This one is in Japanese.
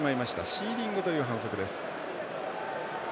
シーリングという反則です。